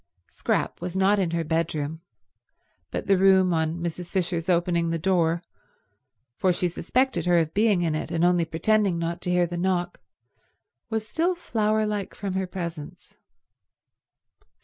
Scrap was not in her bedroom, but the room, on Mrs. Fisher's opening the door, for she suspected her of being in it and only pretending not to hear the knock, was still flowerlike from her presence.